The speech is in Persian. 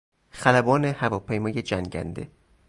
خلبان هواپیمای جنگنده